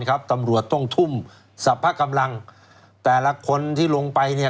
ตำรวจต้องทุ่มสรรพกำลังแต่ละคนที่ลงไปเนี่ย